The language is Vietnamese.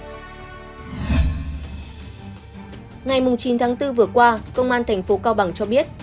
ngày chín tháng bốn vừa qua công an tp cao bằng cho biết